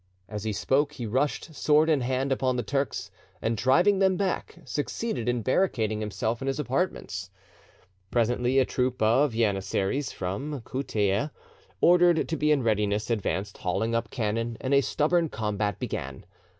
As he spoke, he rushed, sword in hand, upon the Turks, and driving them back, succeeded in barricading himself in his apartments. Presently a troop of janissaries from Koutaieh, ordered to be in readiness, advanced, hauling up cannon, and a stubborn combat began.